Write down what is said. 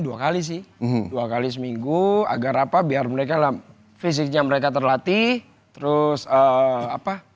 dua kali sih dua kali seminggu agar apa biar mereka lah fisiknya mereka terlatih terus apa